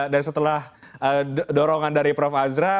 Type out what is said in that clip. dan setelah dorongan dari prof azra